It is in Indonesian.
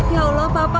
ya allah papa